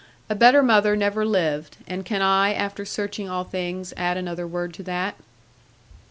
A better mother never lived; and can I, after searching all things, add another word to that?